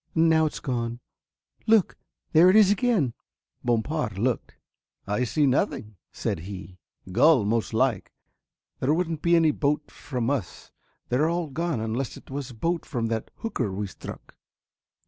Now it's gone. Look, there it is again." Bompard looked. "I see nothing," said he, "gull, most like there wouldn't be any boat from us, they're all gone, unless it was a boat from that hooker we struck."